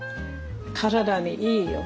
体にいいよ。